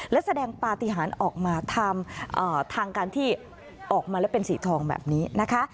และแสดงปฏิหารออกมาทางทางการที่ออกมาแล้วเป็นสีทองแบบนี้นะคะ